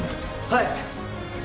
はい！